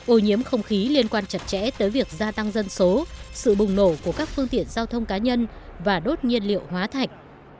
ô nhiễm không khí liên quan chặt chẽ tới việc gia tăng dân số sự bùng nổ của các phương tiện giao thông cá nhân và đốt nhiên liệu hóa thạch